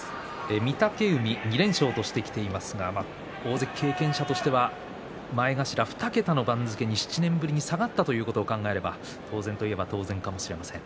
御嶽海２連勝としてきていますが大関経験者としては前頭２桁の番付に７年ぶりに下がったということを思えば当然かもしれません。